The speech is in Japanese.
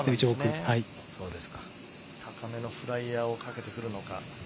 高めのフライヤーをかけてくるのか。